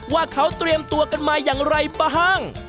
ว่าเขาเตรียมกันมาอย่างไรป่ะ